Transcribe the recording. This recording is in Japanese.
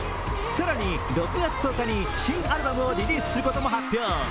更に、６月１０日に新アルバムをリリースすることも発表。